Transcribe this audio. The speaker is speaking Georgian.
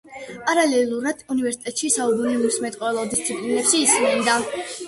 პარალელურად უნივერსიტეტში საბუნებისმეტყველო დისციპლინებში ისმენდა